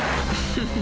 フフ。